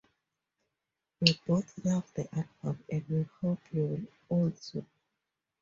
We both love the album and we hope you will also.